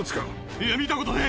いや、見たことねぇ。